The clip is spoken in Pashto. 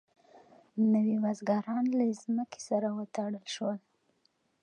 نوي بزګران له ځمکې سره وتړل شول.